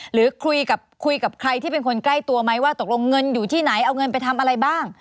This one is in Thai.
หรือคุยกับคุยกับใครที่เป็นคนใกล้ตัวไหมว่าตกลงเงินอยู่ที่ไหนเอาเงินไปทำอะไรบ้าง